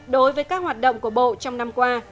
đối với các hoạt động của bộ trong năm qua